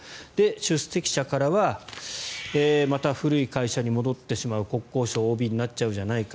出席者からはまた古い会社に戻ってしまう国交省ＯＢになっちゃうじゃないか。